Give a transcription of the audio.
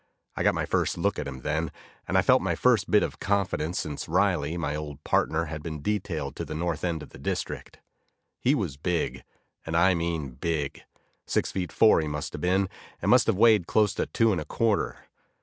I got my first good look at him then, and I felt my first bit of confidence since Riley, my old partner, had been detailed to the north end of the district. He was big, and I mean big. Six feet four, he must have been, and must have weighed close to two and a quarter.